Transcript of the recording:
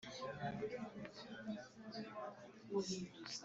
medi kagere usanzwe atsinda ibitego